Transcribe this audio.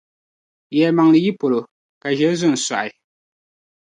Yɛlimaŋli yi polo, ka ʒiri zo n-sɔɣi.